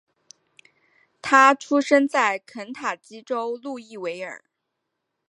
他出生在肯塔基州路易维尔。